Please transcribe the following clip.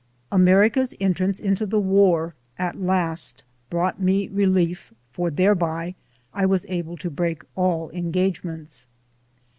America's entrance into the War at last brought me relief for thereby I was able to break all engagements.